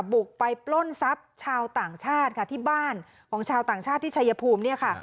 บุกไปปล้นทรัพย์ชาวต่างชาติค่ะที่บ้านของชาวต่างชาติที่ชายภูมิเนี่ยค่ะ